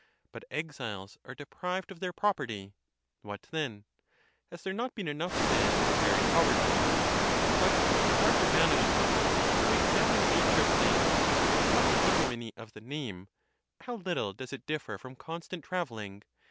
But exiles are deprived of their property! What, then! has there not been enough said on bearing poverty? But with regard to banishment, if we examine the nature of things, not the ignominy of the name, how little does it differ from constant travelling!